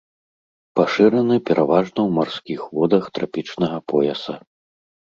Пашыраны пераважна ў марскіх водах трапічнага пояса.